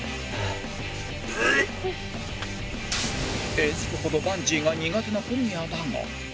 えずくほどバンジーが苦手な小宮だが